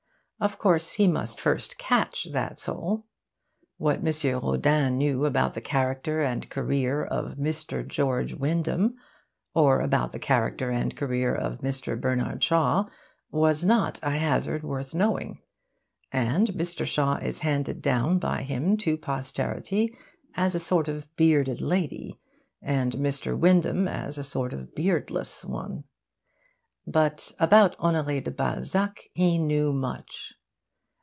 Of course, he must first catch that soul. What M. Rodin knew about the character and career of Mr. George Wyndham, or about the character and career of Mr. Bernard Shaw, was not, I hazard, worth knowing; and Mr. Shaw is handed down by him to posterity as a sort of bearded lady, and Mr. Wyndham as a sort of beardless one. But about Honore' de Balzac he knew much.